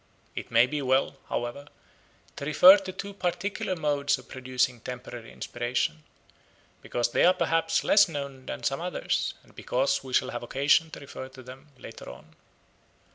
It may be well, however, to refer to two particular modes of producing temporary inspiration, because they are perhaps less known than some others, and because we shall have occasion to refer to them later on.